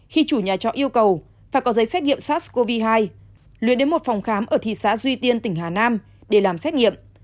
khi chủ nhà trọ yêu cầu phải có giấy xét nghiệm sars cov hai luyến đến một phòng khám ở thị xã duy tiên tỉnh hà nam để làm xét nghiệm